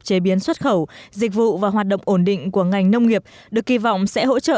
chế biến xuất khẩu dịch vụ và hoạt động ổn định của ngành nông nghiệp được kỳ vọng sẽ hỗ trợ